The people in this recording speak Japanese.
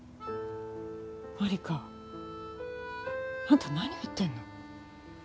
万理華？あんた何を言ってんの？